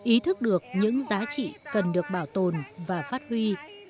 ý thức được những giá trị cần được bảo tồn và phát huy